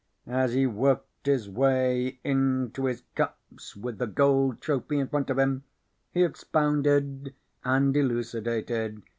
As he worked his way into his cups with the gold trophy in front of him, he expounded and elucidated.